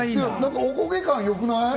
おこげ感、よくない？